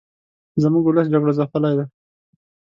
زموږ ولس جګړو ځپلې دې